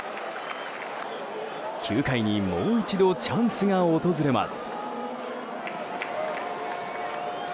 ９回にもう一度チャンスが訪れます。